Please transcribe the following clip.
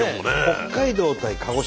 北海道対鹿児島。